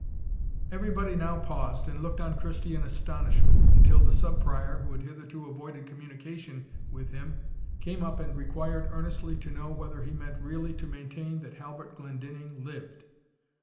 Every body now paused, and looked on Christie in astonishment, until the Sub Prior, who had hitherto avoided communication with him, came up and required earnestly to know, whether he meant really to maintain that Halbert Glendinning lived.